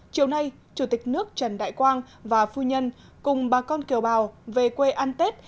chiều nay chủ tịch nước trần đại quang và phu nhân cùng bà con kiều bào về quê ăn tết